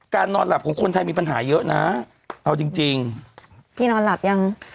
นอนหลับของคนไทยมีปัญหาเยอะนะเอาจริงจริงพี่นอนหลับยัง